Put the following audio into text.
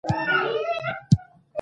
په کوهي کي لاندي څه کړې بې وطنه